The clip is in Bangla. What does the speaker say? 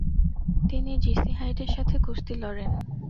তিনি জি সি হাইডের সাথে কুস্তি লড়েন।